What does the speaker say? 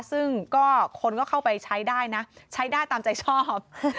ซึ่งก็คนก็เข้าไปใช้ได้นะใช้ได้ตามใจชอบ